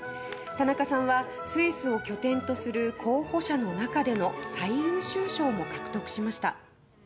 田中さんはスイスを拠点とする候補者の中での最優秀賞も獲得しました。